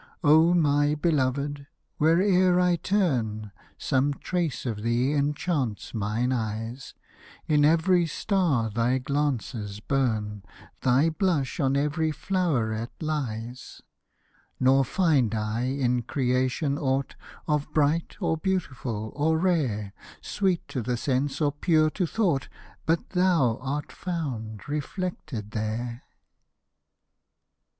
O, my beloved ! where'er I turn, Some trace of thee enchants mine eyes ; In every star thy glances burn ; Thy blush on every floweret lies. Nor find I in creation aught Of bright, or beautiful, or rare. Sweet to the sense, or pure to thought, But thou art found reflected there.